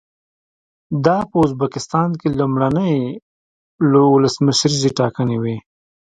دا په ازبکستان کې لومړنۍ ولسمشریزې ټاکنې وې.